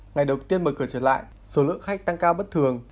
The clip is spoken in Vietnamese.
ngày đầu tiên mở cửa trở lại số lượng khách tăng cao bất thường